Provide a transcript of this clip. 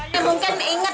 dewanga semangat ya mainnya